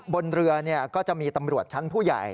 บนเรือก็จะมีตำรวจชั้นผู้ใหญ่